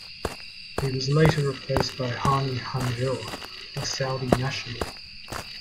He was later replaced by Hani Hanjour, a Saudi national.